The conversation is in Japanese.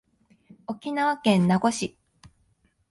沖縄県名護市